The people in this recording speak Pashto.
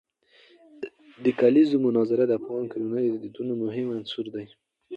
د کلیزو منظره د افغان کورنیو د دودونو مهم عنصر دی.